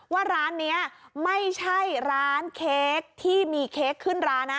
ว่าร้านนี้ไม่ใช่ร้านเค้กที่มีเค้กขึ้นร้านนะ